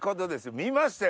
見ましたよ